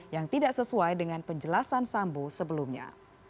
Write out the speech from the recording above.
yang tidak sesuai dengan penjelasan sambo sebelumnya